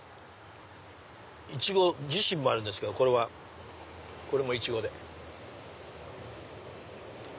イチゴ自身もあるんですけどこれもイチゴで。